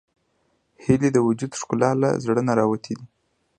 هیلۍ د وجود ښکلا له زړه نه راوتې ده